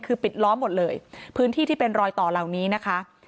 คือปิดล้อมหมดเลยพื้นที่ที่เป็นรอยต่อเหล่านี้นะคะ